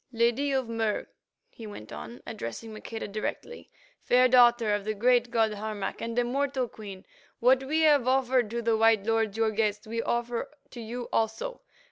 "Lady of Mur," he went on, addressing Maqueda directly, "fair daughter of the great god Harmac and a mortal queen, what we have offered to the white lords, your guests, we offer to you also.